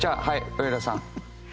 上田さん。